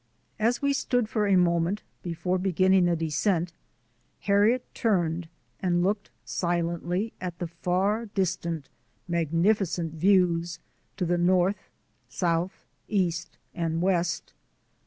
As we stood for a moment before beginning the descent Harriet turned and looked silently at the far distant, magnificent views to the north, south, east, and west.